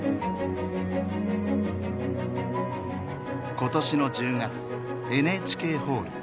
今年の１０月ＮＨＫホール。